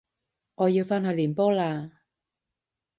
我要返去練波喇